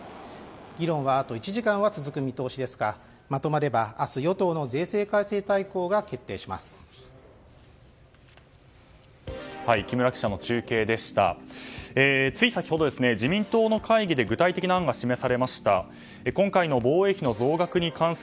議論はあと１時間は続く見通しですがまとまれば、明日与党の税制改正大綱が決定します。